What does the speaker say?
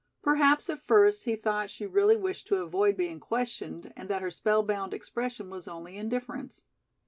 Perhaps, at first, he thought she really wished to avoid being questioned and that her spellbound expression was only indifference.